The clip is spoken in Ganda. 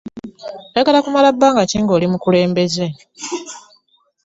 Oyagala kumala banga ki nga oli mukulembeze?